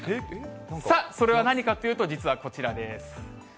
さあ、それは何かというと実はこちらです。